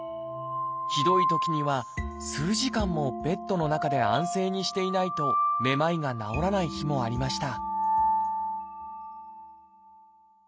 ひどいときには数時間もベッドの中で安静にしていないとめまいが治らない日もありました